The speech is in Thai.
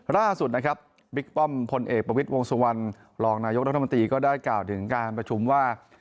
ล่าสุดนะครับบิ๊กป้อมพลเอกประวิทย์วงสุวรรณรองนายกรัฐมนตรีก็ได้กล่าวถึงการประชุมว่า